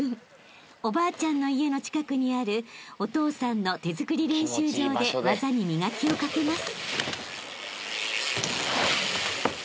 ［おばあちゃんの家の近くにあるお父さんの手作り練習場で技に磨きをかけます］